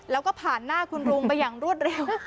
แล้วก็ผ่านหน้าคุณลุงไปอย่างรวดเร็ว